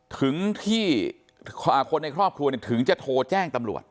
ถึงที่คนในครอบครัวถึงจะโทรแจ้งตำรวจ